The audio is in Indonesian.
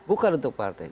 bukan untuk partai